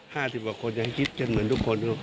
๕๐บาทคนยังคิดเจนเหมือนทุกคน